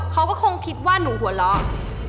เขาก็คงคิดว่าหนูหัวเราะ